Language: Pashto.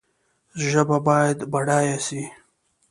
ژبه باید بډایه سي